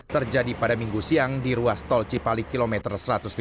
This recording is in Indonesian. terjadi pada minggu siang di ruas tol cipali kilometer satu ratus tiga puluh